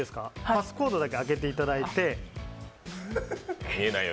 パスコードを入れていただいて。